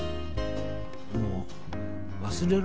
もう忘れろ。